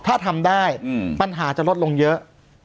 ถ้าทำได้ปัญหาจะลดลงเยอะ